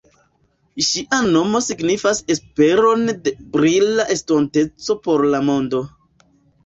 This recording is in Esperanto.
Ŝia nomo signifas esperon de brila estonteco por la mondo.